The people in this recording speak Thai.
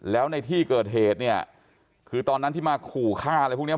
แล้วในที่เกิดเหตุเนี่ยคือตอนนั้นที่มาขู่ฆ่าอะไรพวกนี้